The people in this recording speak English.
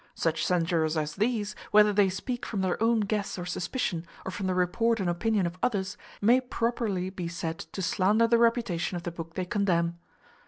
Such censurers as these, whether they speak from their own guess or suspicion, or from the report and opinion of others, may properly be said to slander the reputation of the book they condemn.